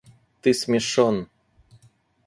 – Ты смешон.